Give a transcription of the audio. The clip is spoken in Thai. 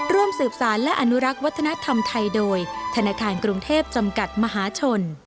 ร่วมสืบสารและอนุรักษ์วัฒนธรรมไทยโดยธนาคารกรุงเทพจำกัดมหาชน